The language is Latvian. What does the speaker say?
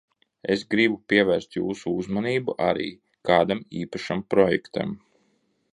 Es gribu pievērst jūsu uzmanību arī kādam īpašam projektam.